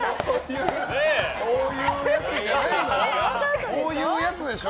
こういうやつじゃでしょ？